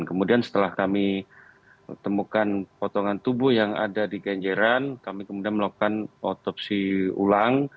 kemudian setelah kami temukan potongan tubuh yang ada di kenjeran kami kemudian melakukan otopsi ulang